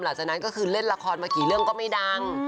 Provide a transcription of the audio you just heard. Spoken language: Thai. หลังจากนั้นก็คือเล่นละครมากี่เรื่องก็ไม่ดัง